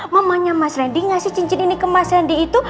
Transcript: mamanya mas randy ngasih cincin ini ke mas randi itu